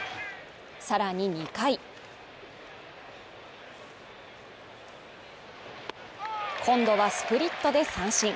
さらに２回今度はスプリットで三振